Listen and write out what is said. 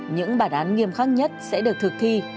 những bản án nghiêm khắc nhất sẽ được thực thi